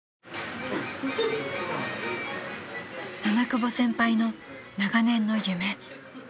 ［七久保先輩の長年の夢］